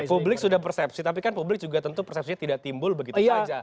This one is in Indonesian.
publik sudah persepsi tapi kan publik juga tentu persepsinya tidak timbul begitu saja